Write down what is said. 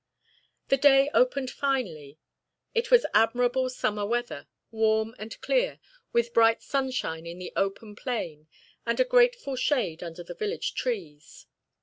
The day opened finely. It was admirable summer weather, warm and clear, with bright sunshine in the open plain and a grateful shade under the village trees.